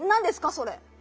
それ。